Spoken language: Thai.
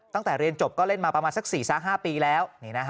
ตั้งแต่เรียนจบก็เล่นมาประมาณสัก๔๕ปีแล้ว